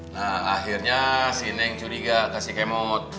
nah akhirnya si neng curiga ke si kemot